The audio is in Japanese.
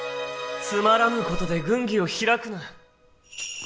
つまらぬことで軍議を開くな